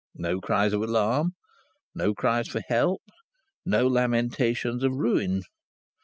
No cries of alarm, no cries for help, no lamentations of ruin!